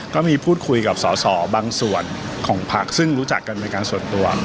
ก็มีพูดคุยกับสอสอบางส่วนของพักซึ่งรู้จักกันเป็นการส่วนตัว